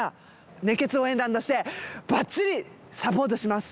熱血応援団としてばっちりサポートします